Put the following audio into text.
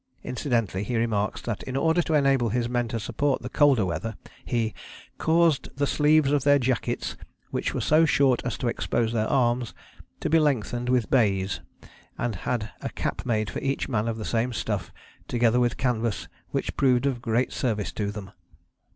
Incidentally he remarks that in order to enable his men to support the colder weather he "caused the sleeves of their jackets (which were so short as to expose their arms) to be lengthened with baize; and had a cap made for each man of the same stuff, together with canvas; which proved of great service to them."